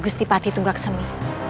justi pati tunggaksemi